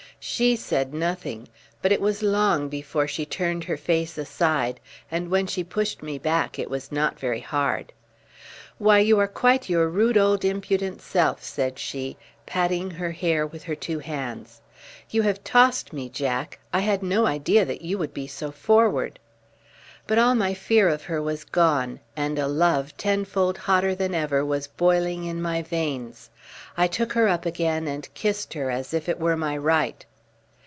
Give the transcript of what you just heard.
She said nothing, but it was long before she turned her face aside, and when she pushed me back it was not very hard. "Why, you are quite your rude, old, impudent self!" said she, patting her hair with her two hands. "You have tossed me, Jack; I had no idea that you would be so forward!" But all my fear of her was gone, and a love tenfold hotter than ever was boiling in my veins. I took her up again, and kissed her as if it were my right.